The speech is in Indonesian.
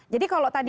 jadi kalau tadi